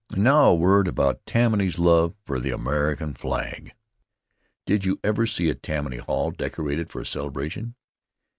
Now, a word about Tammany's love for the American flag. Did you ever see Tammany Hall decorated for a celebration?